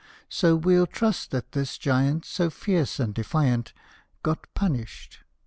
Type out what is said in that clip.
So we '11 trust that this giant, So fierce and defiant, Got punished.